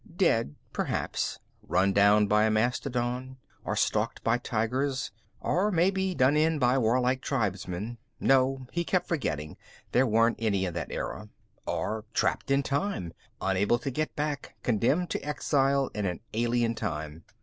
Dead, perhaps. Run down by a mastodon. Or stalked by tigers. Or maybe done in by warlike tribesmen. No, he kept forgetting there weren't any in that era. Or trapped in time, unable to get back, condemned to exile in an alien time.